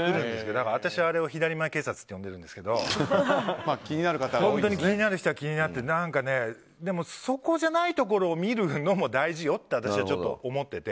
だから私は、あれを左前警察って呼んでるんですけど気になる人は気になってでも、そこじゃないところを見るのも大事よと私はちょっと思っていて。